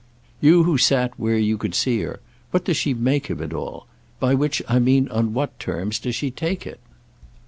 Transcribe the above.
"You who sat where you could see her, what does she make of it all? By which I mean on what terms does she take it?"